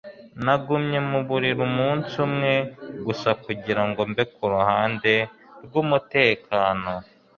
Nagumye mu buriri umunsi umwe gusa kugira ngo mbe ku ruhande rwumutekano